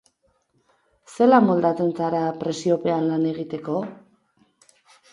Zelan moldatzen zara presiopean lan egiteko?